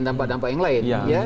dampak dampak yang lain